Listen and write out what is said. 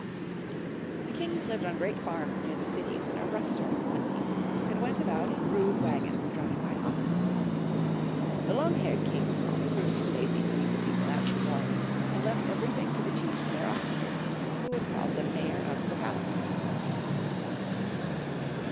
The kings lived on great farms near the cities in a rough sort of plenty, and went about in rude wagons drawn by oxen. The long haired kings soon grew too lazy to lead the people out to war, and left everything to the cliief of their officers, who was called the Mayor of the Palace.